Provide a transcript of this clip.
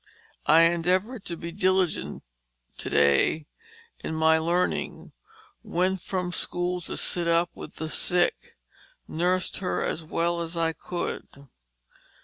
I endeavored to be diligent to day in my learning, went from school to sit up with the sick, nursed her as well as I could.